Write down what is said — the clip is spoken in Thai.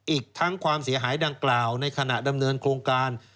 อีกทั้งความเสียหายดังกล่าวในขณะดำเนินโครงการ